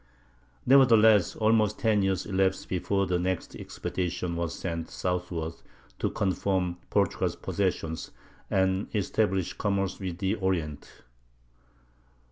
Nevertheless almost ten years elapsed before the next expedition was sent southward to confirm Portugal's possessions, and establish commerce with the Orient.